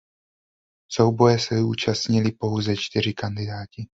Souboje se zúčastnili pouze čtyři kandidáti.